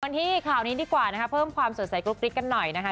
กลับมาที่ข่าวนี้ดีกว่าเพิ่มความสนใสกรุกฤทธิ์กันหน่อยนะคะ